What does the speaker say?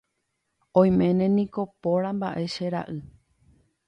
Oiméne niko póra mba'e, che ra'y.